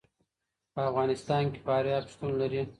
په افغانستان کې فاریاب شتون لري.